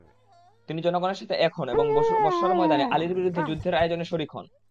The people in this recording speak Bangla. তিনি জনগণের সাথে এক হন এবং বসরার ময়দানে আলির বিরুদ্ধে যুদ্ধের আয়োজনে শরিক হন।